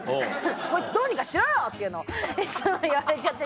「こいつどうにかしろよ」ってのをいつも言われちゃってて。